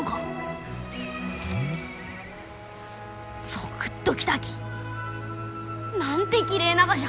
ゾクッときたき！なんてきれいながじゃ！